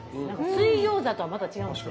水餃子とはまた違うんですね。